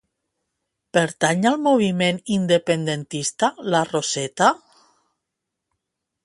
Pertany al moviment independentista la Roseta?